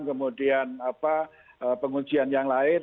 kemudian pengujian yang lain